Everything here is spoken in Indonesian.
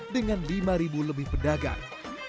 dengan lima lebih pedagang